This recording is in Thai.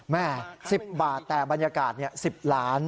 แม่๑๐บาทแต่บรรยากาศ๑๐ล้าน